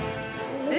え？